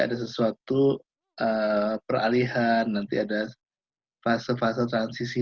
ada sesuatu peralihan nanti ada fase fase transisi itu nanti akan mungkin agak kurang selamatnya di situ ya